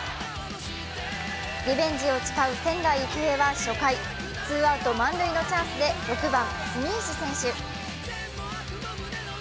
リベンジを誓う仙台育英は初回、ツーアウト満塁のチャンスで６番・住石選手。